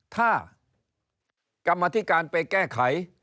ถ้ากรรมธิการไปแก้ไข